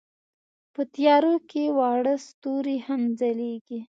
په تیارو کې واړه ستوري هم ځلېږي.